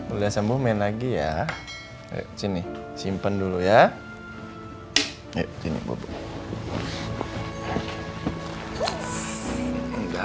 udah sembuh main lagi ya sini simpen dulu ya